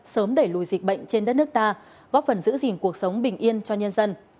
sớm đẩy lùi dịch bệnh trên đất nước ta góp phần giữ gìn cuộc sống bình yên cho nhân dân